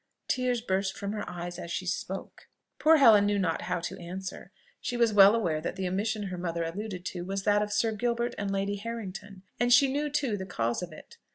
Tears burst from her eyes as she spoke. Poor Helen knew not how to answer: she was well aware that the omission her mother alluded to was that of Sir Gilbert and Lady Harrington; and she knew too the cause of it.